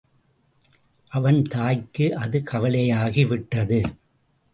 அவன் தாய்க்கு அது கவலையாகி விட்டது.